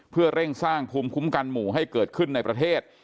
เพื่อเร่งสร้างภูมิคุ้มกันหมู่ให้เกิดขึ้นในประเทศ